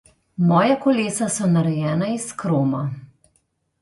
Moja kolesa so narejena iz kroma.